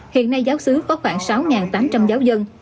hiện nay giáo sứ có khoảng sáu tám trăm linh giáo dân